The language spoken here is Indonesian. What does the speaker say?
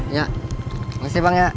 iya makasih bang ya